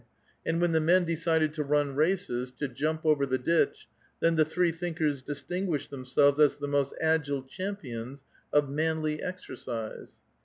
And when the men decided to run races, to jump over the ditch, then the three thinkers distinguished themselves as the most agile champions of manly exercise.